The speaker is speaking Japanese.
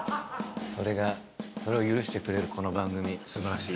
それを許してくれるこの番組素晴らしい。